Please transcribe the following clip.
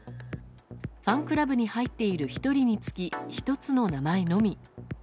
ファンクラブに入っている１人につき１つの名前のみ。